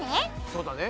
そうだね。